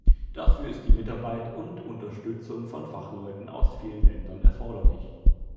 Dafür ist die Mitarbeit und Unterstützung von Fachleuten aus vielen Ländern erforderlich.